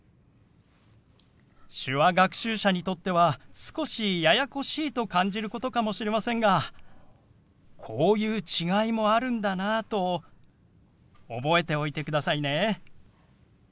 手話学習者にとっては少しややこしいと感じることかもしれませんがこういう違いもあるんだなと覚えておいてくださいね。